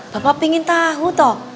bapak pengen tahu toh